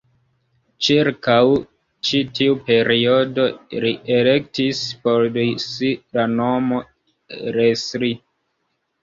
Ĉirkaŭ ĉi tiu periodo li elektis por si la nomon "Leslie".